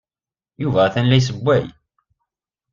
Yuba atan la yessewway.